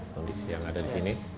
kondisi yang ada di sini